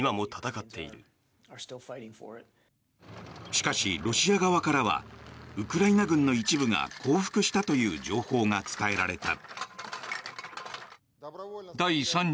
しかし、ロシア側からはウクライナ軍の一部が降伏したという情報が伝えられた。